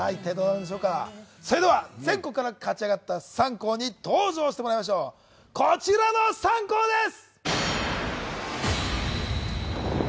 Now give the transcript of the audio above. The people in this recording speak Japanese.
それでは全国から勝ち上がった３校に登場してもらいましょう、こちらの３校です！